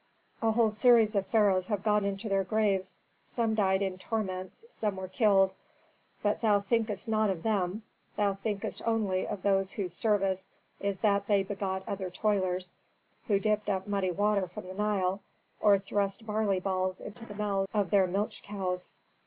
A whole series of pharaohs have gone into their graves; some died in torments, some were killed. But thou thinkest not of them; thou thinkest only of those whose service is that they begot other toilers who dipped up muddy water from the Nile, or thrust barley balls into the mouths of their milch cows.